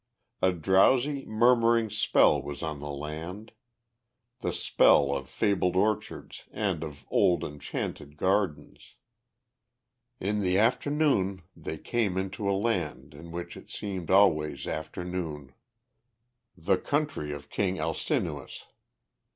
A drowsy, murmuring spell was on the land, the spell of fabled orchards, and of old enchanted gardens In the afternoon they came unto a land In which it seemed always afternoon the country of King Alcinous.